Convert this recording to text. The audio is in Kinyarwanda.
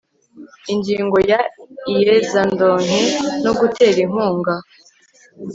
Ingingo ya Iyezandonke no gutera inkunga